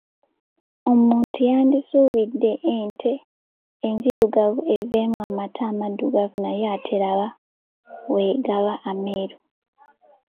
Omuntu yandisuubidde ente enzirugavu eveemu amata amaddugavu naye ate laba bwe gaba ameeru.